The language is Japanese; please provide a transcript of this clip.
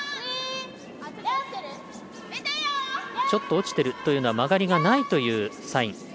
ちょっと落ちてるというのは曲がりがないというサイン。